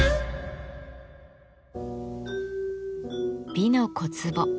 「美の小壺」